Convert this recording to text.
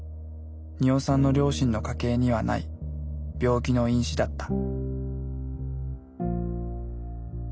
鳰さんの両親の家系にはない病気の因子だった。